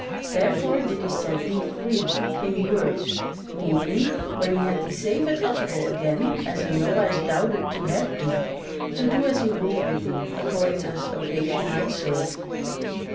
Therefore did he set thee free (in words) meaning, when he had thee safe at Utterbol again (as he nowise doubted to have thee) to do as he would with thee, according as occasion might serve.